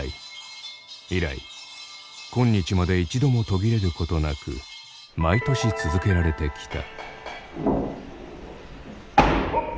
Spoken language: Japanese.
以来今日まで一度も途切れることなく毎年続けられてきた。